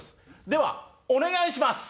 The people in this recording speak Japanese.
ではお願いします。